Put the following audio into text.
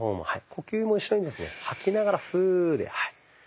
呼吸も一緒にですね吐きながらフーではい。